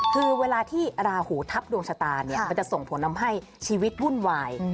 คือเวลาที่ราหูทับดวงชะตาเนี่ยมันจะส่งผลทำให้ชีวิตวุ่นวาย